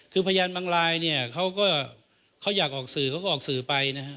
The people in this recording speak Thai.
คือพยานบางรายเนี่ยเขาก็เขาอยากออกสื่อเขาก็ออกสื่อไปนะฮะ